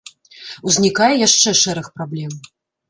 Узнікае яшчэ шэраг праблем.